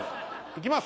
いきます